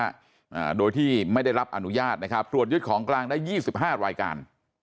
อ่าโดยที่ไม่ได้รับอนุญาตนะครับตรวจยึดของกลางได้ยี่สิบห้ารายการ